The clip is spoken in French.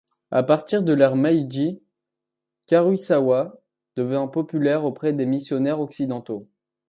À partir de l'ère Meiji, Karuisawa devint populaire auprès des missionnaires occidentaux.